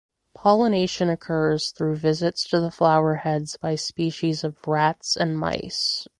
Pollination occurs through visits to the flower heads by species of rats and mice.